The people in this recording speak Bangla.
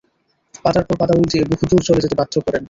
পাতার পর পাতা উল্টিয়ে বহুদূর চলে যেতে বাধ্য করেন।